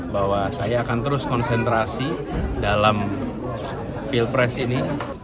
bahwa saya akan terus konsentrasi dalam pilpres ini